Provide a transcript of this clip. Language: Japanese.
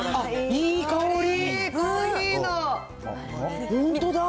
いい香り。